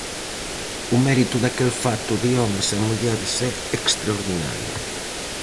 O mérito daquel fato de homes e mulleres é extraordinario.